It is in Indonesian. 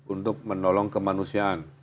untuk menolong kemanusiaan